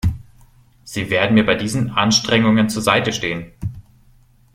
Sie werden mir bei diesen Anstrengungen zur Seite stehen.